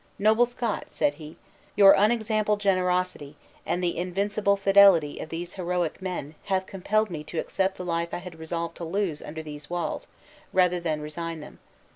"Noble Scot," said he, "your unexampled generosity, and the invincible fidelity of these heroic men, have compelled me to accept the life I had resolved to lose under these walls, rather than resign them.